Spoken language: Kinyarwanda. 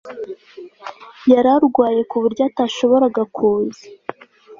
yari arwaye, ku buryo atashoboraga kuza